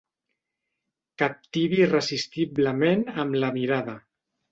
Captivi irresistiblement amb la mirada.